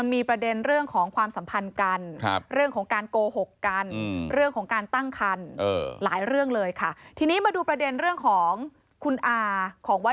มันมีประเด็นเรื่องของความสัมพันธ์กัน